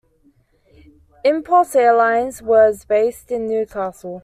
Impulse Airlines was based in Newcastle.